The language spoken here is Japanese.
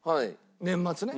年末ね。